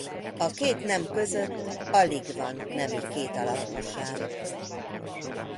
A két nem között alig van nemi kétalakúság.